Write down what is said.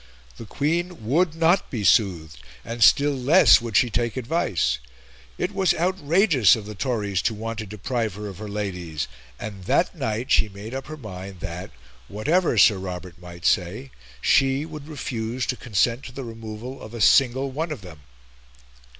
The Queen would not be soothed, and still less would she take advice. It was outrageous of the Tories to want to deprive her of her Ladies, and that night she made up her mind that, whatever Sir Robert might say, she would refuse to consent to the removal of a single one of them.